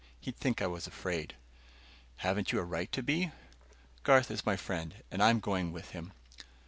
He'd think I was afraid." "Haven't you a right to be?" "Garth is my friend and I'm going with him."